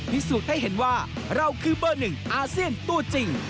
พิสูจน์ให้เห็นว่าเราคือเบอร์หนึ่งอาเซียนตัวจริง